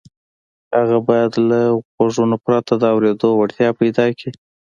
هغه باید له غوږونو پرته د اورېدو وړتیا پیدا کړي